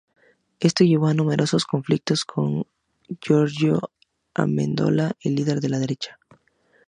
Esto le llevó a numerosos conflictos con Giorgio Amendola, líder del ala derecha.